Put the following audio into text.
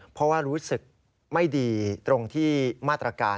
เพราะว่ารู้สึกไม่ดีตรงที่มาตรการ